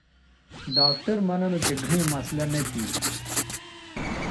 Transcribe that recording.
ڈاکٹر مہ ننو چہ گھئیں مسلہ نہ تھی